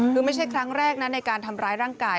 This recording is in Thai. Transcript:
คือไม่ใช่ครั้งแรกนะในการทำร้ายร่างกาย